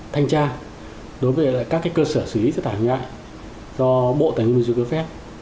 thành tra đối với các cái cơ sở xử lý chất thải ngại do bộ tài nguyên môi trường cơ phép